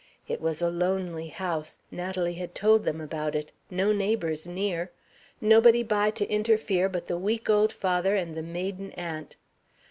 It was a lonely house Natalie had told them about it no neighbors near; nobody by to interfere but the weak old father and the maiden aunt.